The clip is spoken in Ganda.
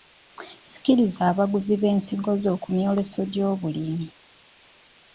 Sikiriza abaguzi b’ensigo zo ku myoleso gy’obulimi.